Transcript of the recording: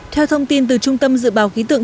theo thông tin từ trung tâm dự báo khí tượng